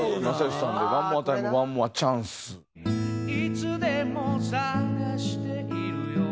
「いつでも捜しているよ」